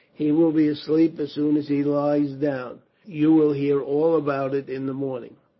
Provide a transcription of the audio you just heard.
He will be asleep as soon as he lies down. You will hear all about it, in the morning."